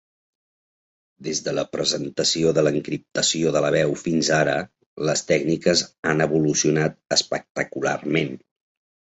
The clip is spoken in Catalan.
Des de la presentació de l'encriptació de la veu fins ara les tècniques han evolucionat espectacularment.